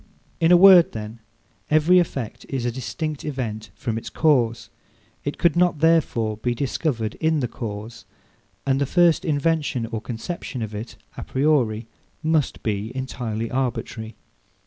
In a word, then, every effect is a distinct event from its cause. It could not, therefore, be discovered in the cause, and the first invention or conception of it, a priori, must be entirely arbitrary.